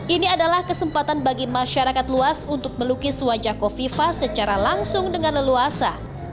ini adalah kesempatan bagi masyarakat luas untuk melukis wajah kofifa secara langsung dengan leluasa